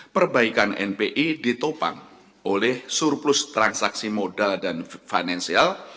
perbaikan npi ditopang oleh surplus transaksi modal dan finansial